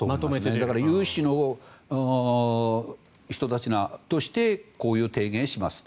だから、有志の人たちとしてこういう提言をしますと。